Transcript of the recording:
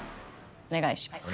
お願いします。